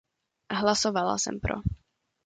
Hlasovala jsem pro.